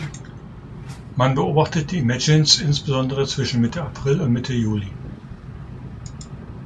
Man beobachtet die Imagines insbesondere zwischen Mitte April und Mitte Juli.